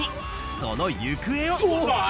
その行方を。